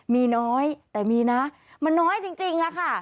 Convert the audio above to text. มีน้อยแต่มีนะมันน้อยจริงอะค่ะ